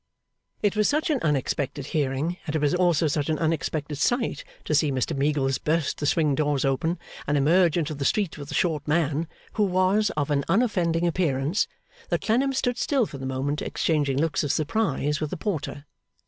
It was such an unexpected hearing, and it was also such an unexpected sight to see Mr Meagles burst the swing doors open, and emerge into the street with the short man, who was of an unoffending appearance, that Clennam stood still for the moment exchanging looks of surprise with the porter.